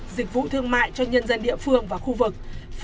dịch vụ thương mại cho nhân dân địa phương và khu vực